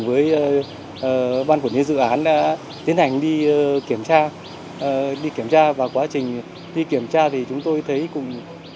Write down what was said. cùng với ban quản lý dự án đã tiến hành đi kiểm tra và quá trình đi kiểm tra thì chúng tôi thấy cũng